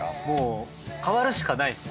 もう変わるしかない。